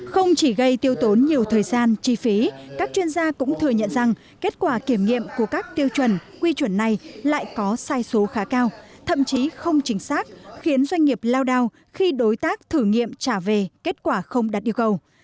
không chỉ gây tiêu tốn nhiều thời gian chi phí các chuyên gia cũng thừa nhận rằng kết quả kiểm nghiệm của các tiêu chuẩn quy chuẩn này lại có sai số khá cao thậm chí không chính xác khiến doanh nghiệp lao đao khi đối tác thử nghiệm trả về kết quả không đạt yêu cầu